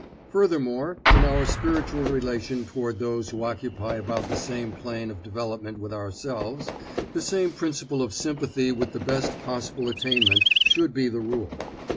Furthermore, in our spiritual relation toward those who occupy about the same plane of development with ourselves, the same principle of sympathy with the best possible attainment should be the rule.